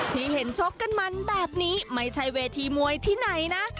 ที่เห็นชกกันมันแบบนี้ไม่ใช่เวทีมวยที่ไหนนะ